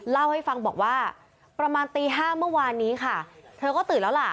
เล่าให้ฟังบอกว่าประมาณตี๕เมื่อวานนี้ค่ะเธอก็ตื่นแล้วล่ะ